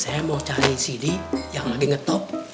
saya mau cari cd yang lagi ngetop